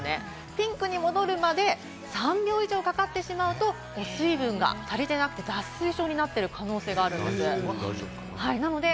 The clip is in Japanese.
ピンクに戻るまで３秒以上かかってしまうと水分が足りてなくて脱水症になっている可能性があるということです。